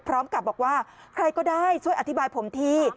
พร้อมกับบอกว่าใครก็ได้ช่วยอธิบายผมที